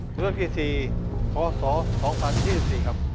ตัวเลือกที่๔คศ๒๐๒๔ครับ